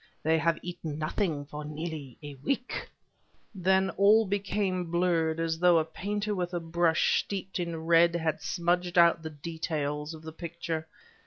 they have eaten nothing for nearly a week!" Then all became blurred as though a painter with a brush steeped in red had smudged out the details of the picture.